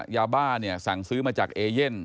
ยาบ้าเนี่ยสั่งซื้อมาจากเอเย่น